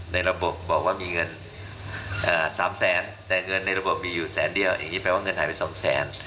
ในระบบบอกว่ามีเงิน๓แสนแต่เงินในระบบมีอยู่แสนเดียวอย่างนี้แปลว่าเงินหายไป๒แสน